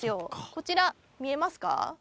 こちら、見えますか。